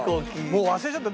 もう忘れちゃった。